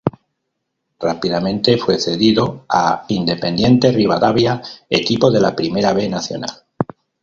Rápidamente fue cedido a Independiente Rivadavia, equipo de la Primera B Nacional.